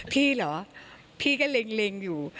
พี่เหรอพี่ก็เล็งอยู่